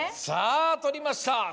さぁ取りました。